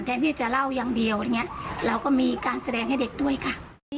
แทนที่จะเล่าอย่างเดียวอย่างนี้เราก็มีการแสดงให้เด็กด้วยค่ะ